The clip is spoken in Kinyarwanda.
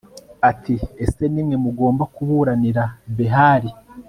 ati ese ni mwe mugomba kuburanira behali